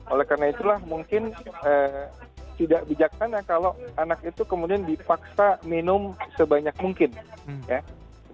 oleh karena itulah mungkin tidak bijaksana kalau anak itu kemudian dipaksa minum sebanyak mungkin ya